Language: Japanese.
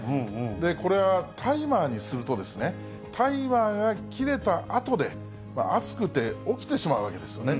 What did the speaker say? これはタイマーにするとですね、タイマーが切れたあとで、暑くて起きてしまうわけですよね。